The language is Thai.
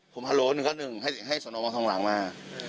ผมฮัลโหลนึงให้สนองมองทางหลังมา